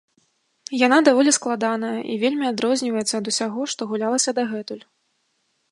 Яна даволі складаная і вельмі адрозніваецца ад усяго, што гулялася дагэтуль.